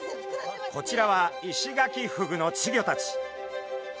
こちらはイシガキフグの稚魚たち。